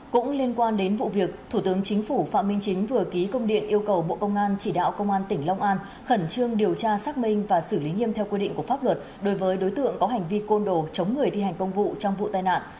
cũng liên quan đến vụ việc thủ tướng chính phủ phạm minh chính vừa ký công điện yêu cầu bộ công an chỉ đạo công an tỉnh long an khẩn trương điều tra xác minh và xử lý nghiêm theo quy định của pháp luật đối với đối tượng có hành vi côn đồ chống người thi hành công vụ trong vụ tai nạn